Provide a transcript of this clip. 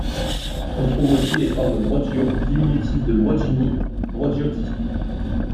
On trouve aussi les formes Brogio, diminutif de Broggini, Brogioti.